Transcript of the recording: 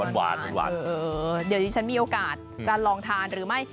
เดี๋ยวดิฉันมีโอกาสจะลองทานหรือไม่